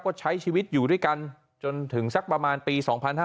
ก็ใช้ชีวิตอยู่ด้วยกันจนถึงสักประมาณปี๒๕๕๙